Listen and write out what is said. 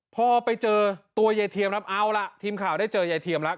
พอไปเจอตัวยายเทียมครับเอาล่ะทีมข่าวได้เจอยายเทียมแล้ว